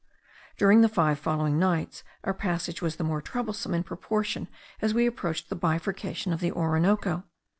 During the five following nights our passage was the more troublesome in proportion as we approached the bifurcation of the Orinoco.